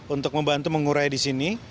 untuk membantu mengurai di sini